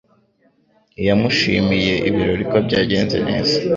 Yamushimiye ibirori ko bya genze neza